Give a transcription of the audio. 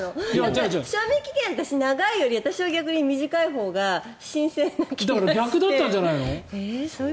賞味期限、長いより私は逆に短いほうが逆だったんじゃないの？